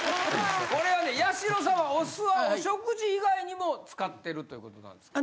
これはね八代さんはお酢はお食事以外にも使ってるということなんですか？